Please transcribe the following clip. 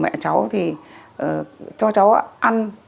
mẹ cháu thì cho cháu ăn